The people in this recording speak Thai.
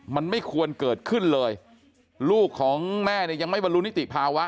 มันไม่ควรเกิดขึ้นเลยลูกของแม่เนี่ยยังไม่บรรลุนิติภาวะ